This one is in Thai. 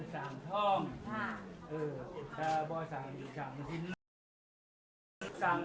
สวัสดีครับ